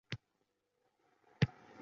teleefir orqali uzatildi.